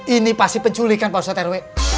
ini pasti penculikan pak ustadz rw